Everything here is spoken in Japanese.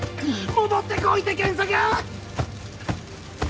戻ってこいて賢作。